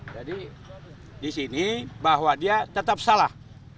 jadi di sini bahwa dia tetap salah